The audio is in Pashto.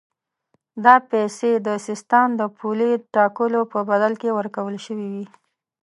دا پیسې د سیستان د پولې ټاکلو په بدل کې ورکول شوې وې.